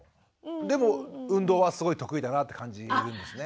でも運動はすごい得意だなって感じるんですね。